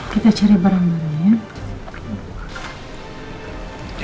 kita cari barang barangnya ya